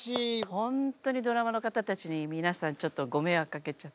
ほんとにドラマの方たちに皆さんちょっとご迷惑かけちゃって。